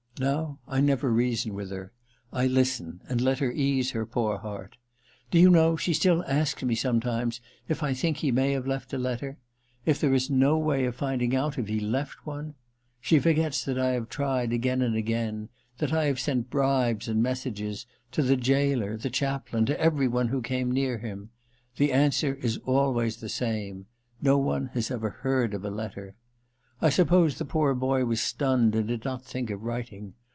Now I never reason with her ; I listen, and let her ease her poor heart. Do you know, she still asks me sometimes if I think he may have left a letter — if there is no way of finding out if he left one ? She forgets that I have tried again and again : that I have sent bribes and messages to the gaoler, the chaplain, to every one who came near him. The answer is always the same — no one has ever heard of a letter. I suppose the poor boy was stunned, and did not think of writing.